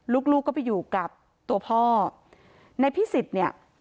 ลูกลูกก็ไปอยู่กับตัวพ่อในพิสิทธิ์เนี่ย